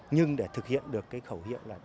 nhưng để thực hiện được cái khẩu hiệu là